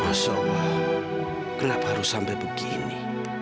mas allah kenapa harus sampai begini